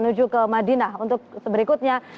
tanpa transit menuju ke madinah untuk berikutnya